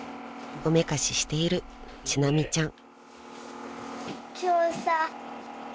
［おめかししている智菜美ちゃん］